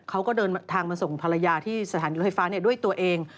เขาก็เดินทางมาส่งภรรยาที่สถานีรถไฟฟ้าด้วยตัวเอง